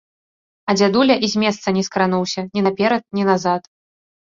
А дзядуля і з месца не скрануўся, ні наперад, ні назад.